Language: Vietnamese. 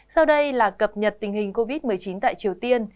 sau đây là cập nhật tình hình covid một mươi chín tại triều tiên